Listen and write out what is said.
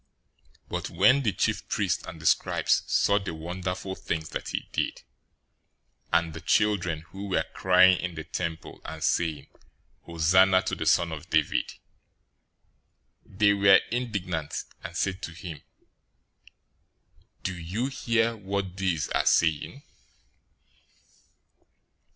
021:015 But when the chief priests and the scribes saw the wonderful things that he did, and the children who were crying in the temple and saying, "Hosanna to the son of David!" they were indignant, 021:016 and said to him, "Do you hear what these are saying?"